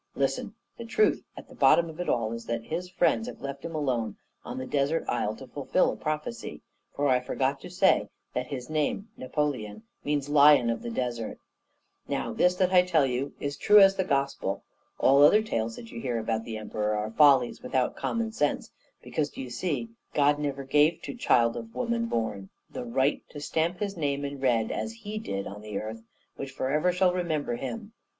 Listen! the truth at the bottom of it all is that his friends have left him alone on the desert isle to fulfil a prophecy, for I forgot to say that his name, Napoleon, means 'lion of the desert.' Now this that I tell you is true as the Gospel. All other tales that you hear about the Emperor are follies without common sense; because, d'ye see, God never gave to child of woman born the right to stamp his name in red as he did, on the earth, which forever shall remember him!